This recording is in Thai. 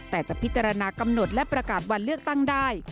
แต่จะพิจารณากำหนดและประกาศวันเลือกตั้งได้